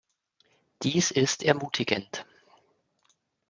Dies ist ermutigend.